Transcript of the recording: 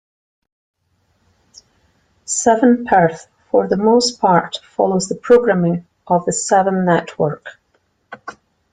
Seven Perth for the most part follows the programming of the Seven Network.